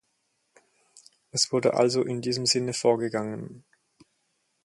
Es wurde also in diesem Sinne vorgegangen.